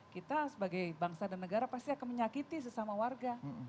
kita sebagai bangsa dan negara pasti akan menyakiti sesama warga